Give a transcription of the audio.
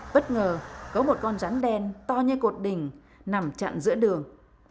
bất ngờ có một con rắn đen to như cột đỉnh nằm chặn giữa đường